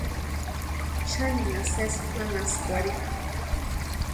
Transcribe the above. Xaninha sesi janhaskwarhika.